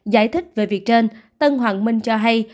giải thích về việc trên tân hoàng minh cho hay